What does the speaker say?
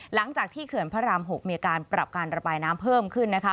หลังจากที่เขื่อนพระราม๖มีอาการปรับการระบายน้ำเพิ่มขึ้นนะคะ